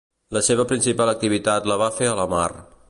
La seva principal activitat la va fer a la mar.